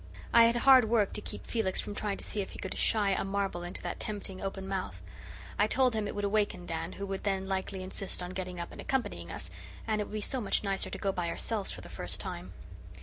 I had hard work to keep Felix from trying to see if he could "shy" a marble into that tempting open mouth. I told him it would waken Dan, who would then likely insist on getting up and accompanying us, and it would be so much nicer to go by ourselves for the first time.